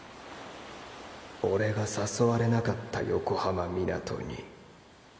俺が誘われなかった横浜湊に